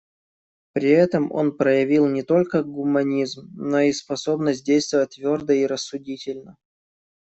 При этом он проявил не только гуманизм, но и способность действовать твердо и рассудительно.